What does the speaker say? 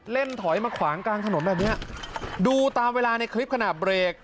ถอยมาขวางกลางถนนแบบเนี้ยดูตามเวลาในคลิปขณะเบรก